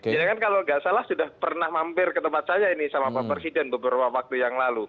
ini kan kalau nggak salah sudah pernah mampir ke tempat saya ini sama pak presiden beberapa waktu yang lalu